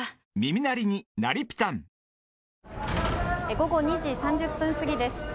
午後２時３０分過ぎです。